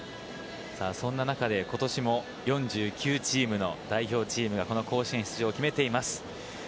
そんな中でことしも４９チームの代表チームがこの甲子園出場を決めています。